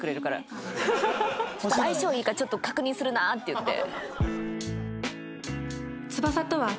「相性いいかちょっと確認するな」って言って。